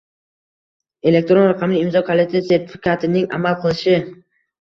Elektron raqamli imzo kaliti sertifikatining amal qilishi